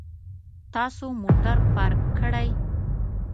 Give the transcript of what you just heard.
تاسو موټر پارک کړئ